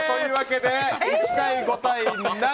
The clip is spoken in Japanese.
１対５対７。